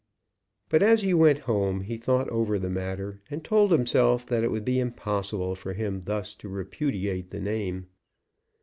But, as he went home, he thought over the matter and told himself that it would be impossible for him thus to repudiate the name.